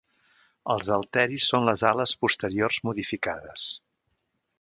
Els halteris són les ales posteriors modificades.